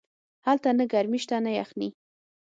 هلته نه گرمي سته نه يخني.